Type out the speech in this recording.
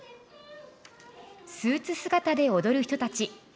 スーツ姿で踊る人たち。